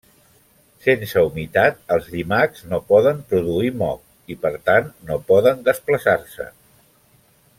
Sense humitat, els llimacs no poden produir moc i per tant no poden desplaçar-se.